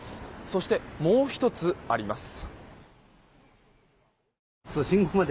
そしてもう１つあります。